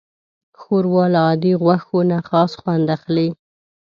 ښوروا له عادي غوښو نه خاص خوند اخلي.